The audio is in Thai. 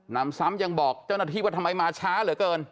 นำซ้ำยังบอกเจ้าหน้าที่ว่าทำไมมาช้าเหลือเกิน